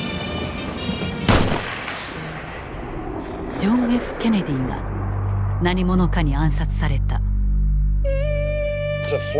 ジョン・Ｆ・ケネディが何者かに暗殺された。